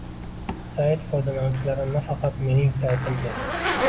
Sayt foydalanuvchilari nafaqat mening saytimda